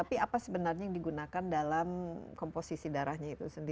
tapi apa sebenarnya yang digunakan dalam komposisi darahnya itu sendiri